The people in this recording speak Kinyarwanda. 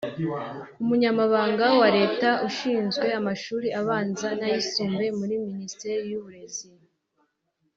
Umunyamabanga wa Leta Ushinzwe Amashuri Abanza n’Ayisumbuye muri Minisiteri y’Uburezi